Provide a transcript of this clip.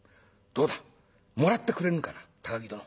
どうだもらってくれぬかな高木殿。